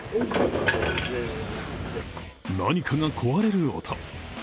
何かが壊れる音。